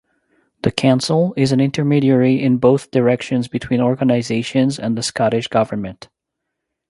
This council is an intermediary in both directions between organisations and the Scottish government.